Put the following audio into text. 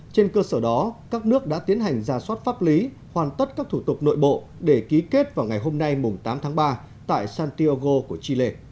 trên cơ sở đó các nước đã tiến hành ra soát pháp lý hoàn tất các thủ tục nội bộ để ký kết vào ngày hôm nay tám tháng ba tại santiago của chile